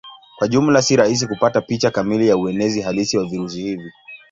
Kwa jumla si rahisi kupata picha kamili ya uenezi halisi wa virusi hivi.